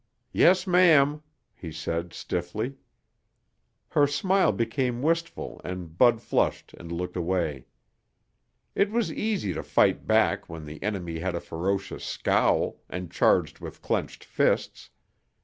"Yes, ma'am," he said stiffly. Her smile became wistful and Bud flushed and looked away. It was easy to fight back when the enemy had a ferocious scowl and charged with clenched fists.